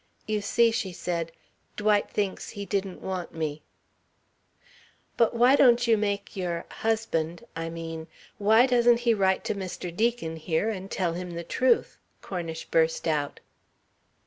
"You see," she said, "Dwight thinks he didn't want me." "But why don't you make your husband I mean, why doesn't he write to Mr. Deacon here, and tell him the truth " Cornish burst out.